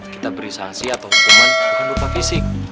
kita beri sanksi atau hukuman berupa fisik